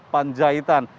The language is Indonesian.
dan juga pancitan